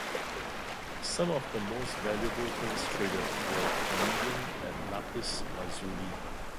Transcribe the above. Some of the most valuable things traded were carnelian and lapis lazuli.